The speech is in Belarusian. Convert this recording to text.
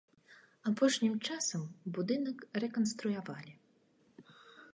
Апошнім часам будынак рэканструявалі.